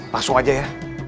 masuk aja ya